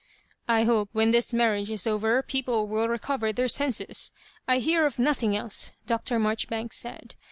" I hope when this marriage is over people will recover their senses. I hear of nothing else," Dr. Marjoribanks said.